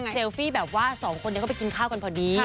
เซลฟี่แบบว่า๒คนเดี๋ยวก็ไปกินข้าวกันพอดี